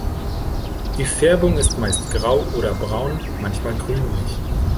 Die Färbung ist meist grau oder braun, manchmal grünlich.